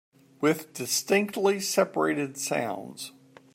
With distinctly separated sounds.